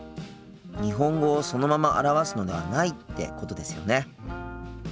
日本語をそのまま表すのではないってことですよね？